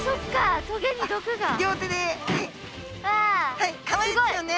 はいかわいいですよね。